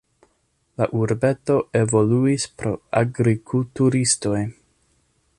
La urbeto evoluis pro agrikulturistoj.